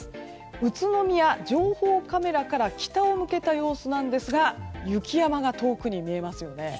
宇都宮情報カメラから北へ向けた様子なんですが雪山が遠くへ見えますよね。